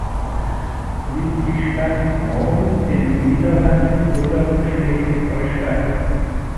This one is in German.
Liegt die Stadt Norden in Niedersachsen oder Schleswig-Holstein?